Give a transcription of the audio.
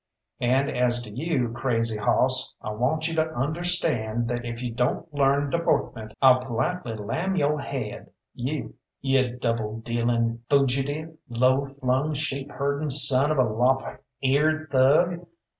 And as to you, Crazy Hoss, I want you to understand that if you don't learn deportment I'll politely lam yo' haid, you, you double dealing foogitive, low flung, sheep herdin' son of a lop eared thug!